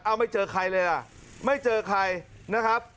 เอาไม่เจอใครเลยอ่ะไม่เจอใครนะครับ